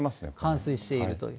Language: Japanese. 冠水しているという。